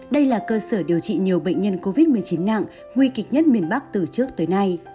đây là cơ sở điều trị nhiều bệnh nhân covid một mươi chín nặng nguy kịch nhất miền bắc từ trước tới nay